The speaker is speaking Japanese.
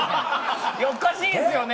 いやおかしいんですよね。